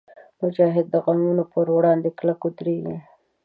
مجاهد د غمونو پر وړاندې کلک درېږي.